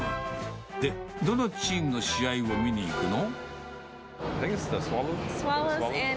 で、どのチームの試合を見に行くの？